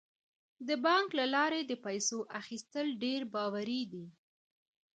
د بانک له لارې د پیسو اخیستل ډیر باوري دي.